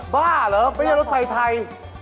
บ้าเหรอไม่ใช่รถไฟไทย